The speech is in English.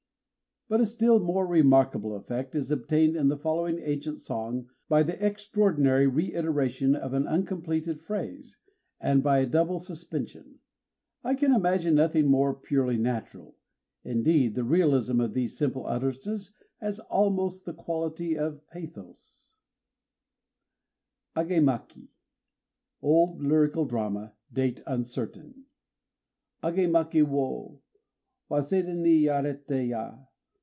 But a still more remarkable effect is obtained in the following ancient song by the extraordinary reiteration of an uncompleted phrase, and by a double suspension. I can imagine nothing more purely natural: indeed the realism of these simple utterances has almost the quality of pathos: AGÉMAKI (Old lyrical drama date uncertain) Agémaki wo Waséda ni yarité ya!